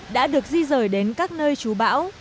đã được di rời đến các nơi trú bão